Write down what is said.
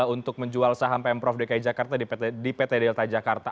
untuk menjual saham pemprov dki jakarta di pt delta jakarta